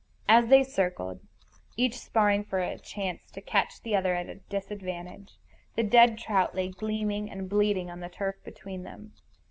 As they circled, each sparring for a chance to catch the other at a disadvantage, the dead trout lay gleaming and bleeding on the turf between them.